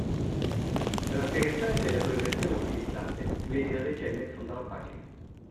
Per la spiegazione delle abbreviazioni utilizzate vedi la legenda in fondo alla pagina.